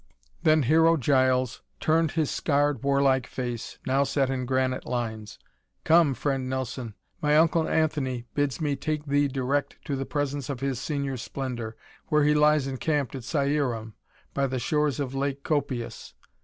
Then Hero Giles turned his scarred, warlike face, now set in granite lines. "Come, Friend Nelson, my uncle Anthony bids me take thee direct to the presence of His Serene Splendor, where he lies encamped at Cierum, by the shores of Lake Copias.